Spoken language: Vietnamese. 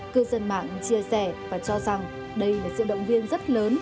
cư dân mạng chia sẻ và cho rằng đây là sự động viên rất lớn